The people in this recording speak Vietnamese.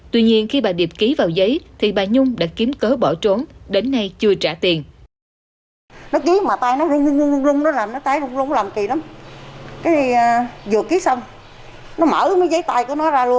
tuy nhiên khi bà điệp ký vào giấy thì bà nhung đã kiếm cớ bỏ trốn đến nay chưa trả tiền